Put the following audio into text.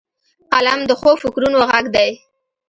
قلم د ښو فکرونو غږ دی